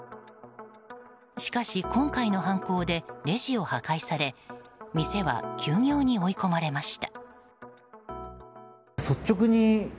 しかし今回の犯行でレジを破壊され店は休業に追い込まれました。